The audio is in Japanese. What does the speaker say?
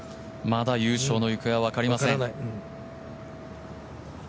まだ優勝のゆくえは分かりません。